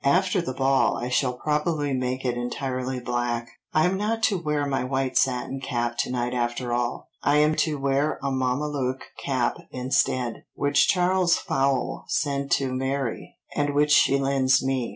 After the ball I shall probably make it entirely black." "I am not to wear my white satin cap to night after all; I am to wear a mamalouc cap instead, which Charles Fowle sent to Mary, and which she lends me.